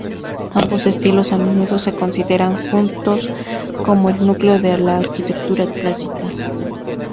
Ambos estilos a menudo se consideran juntos como el núcleo de la arquitectura clásica.